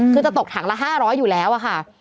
คือจะตกถังละ๕๐๐อยู่แล้วอะค่ะ